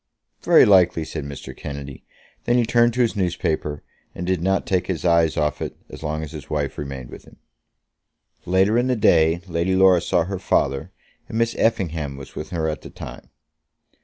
"Very likely," said Mr. Kennedy. Then he turned to his newspaper, and did not take his eyes off it as long as his wife remained with him. Later in the day Lady Laura saw her father, and Miss Effingham was with her at the time.